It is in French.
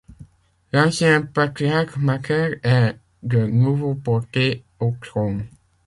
L'ancien patriarche Macaire est de nouveau porté au trône.